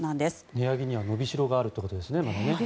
値上げにはのびしろがあるということですね。